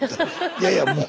いやいやもう。